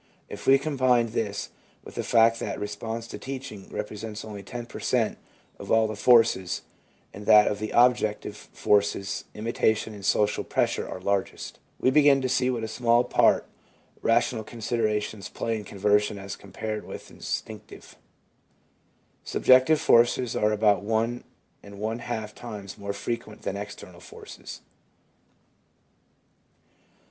If we combine this with the fact that response to teaching represents only 10 per cent, of all the forces, and that, of the objective forces, imitation and social pressure are largest, we begin to see what a small part rational consideratiojis play in conversion as compared with in stinctive. Subjective forces are about one and one half times more frequent than external forces.